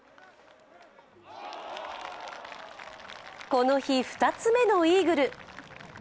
この日２つ目のイーグル。